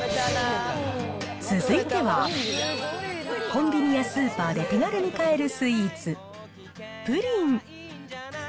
続いては、コンビニやスーパーで手軽に買えるスイーツ、プリン。